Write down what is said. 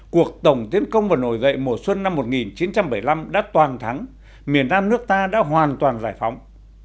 cuộc tổng tiến công và nổi dậy mùa xuân năm một nghìn chín trăm bảy mươi năm đã toàn thắng miền nam nước ta đã hoàn toàn giải phóng